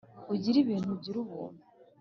Ugire ibintu ugire ubuntu